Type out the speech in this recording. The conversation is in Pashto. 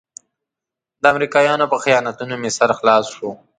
د امریکایانو په خیانتونو مې سر خلاص شو.